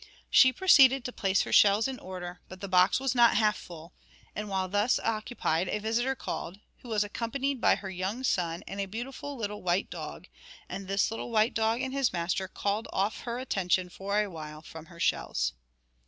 She proceeded to place her shells in order, but the box was not half full, and while thus occupied a visitor called, who was accompanied by her young son and a beautiful little white dog, and this little white dog and his master called off her attention for a while from her shells.